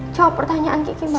jawab pertanyaan kiki mbak